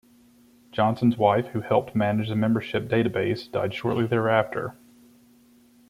Johnson's wife, who helped manage the membership database, died shortly thereafter.